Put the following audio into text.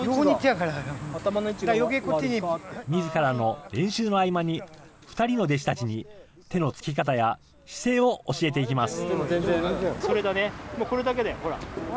みずからの練習の合間に、２人の弟子たちに手の付き方や姿勢を教えていきます。